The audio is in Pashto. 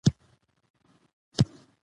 څه ماهی ړانده او څه اوبه خړی.